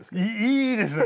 いいですね。